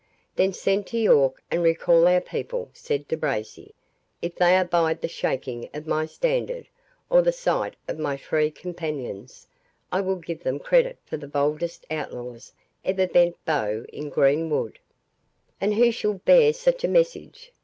"Then send to York, and recall our people," said De Bracy. "If they abide the shaking of my standard, or the sight of my Free Companions, I will give them credit for the boldest outlaws ever bent bow in green wood." "And who shall bear such a message?"